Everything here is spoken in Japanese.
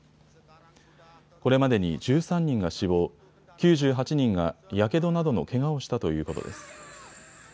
これまでに１３人が死亡、９８人が、やけどなどのけがをしたということです。